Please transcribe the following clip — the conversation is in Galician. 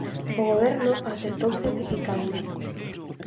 O Goberno acertou rectificando.